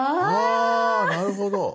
あなるほど。